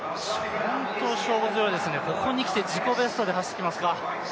本当、勝負強いですね、ここに来て自己ベストで走ってきますか。